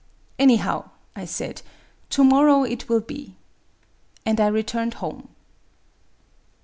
'* Anyhow," I said, " to morrow it will be." And I returned home.